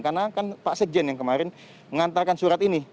karena kan pak sekjen yang kemarin mengantarkan surat ini